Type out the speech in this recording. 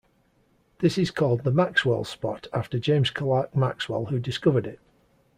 This is called the Maxwell's spot after James Clerk Maxwell who discovered it.